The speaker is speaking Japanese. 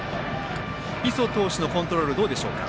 磯投手のコントロールどうでしょうか？